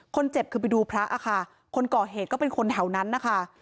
คนเจ็บคือไปดูพระค่ะคนก่อเหตุก็เป็นคนแถวนั้นนะคะ